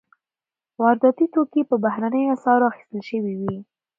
وارداتي توکي په بهرنیو اسعارو اخیستل شوي وي.